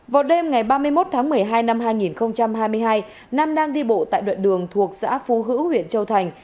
vào đêm ngày ba mươi một tháng một mươi hai năm hai nghìn hai mươi hai nam đang đi bộ tại đoạn đường thuộc xã phú hữu huyện châu thành